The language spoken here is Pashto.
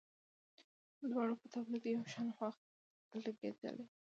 د دواړو په تولید یو شان وخت لګیدلی.